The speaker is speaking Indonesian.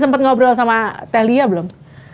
sempet ngobrol sama teh lia belum